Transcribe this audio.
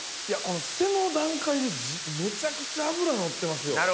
この背の段階でめちゃくちゃ脂のってますよ。